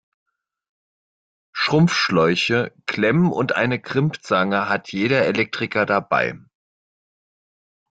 Schrumpfschläuche, Klemmen und eine Crimpzange hat jeder Elektriker dabei.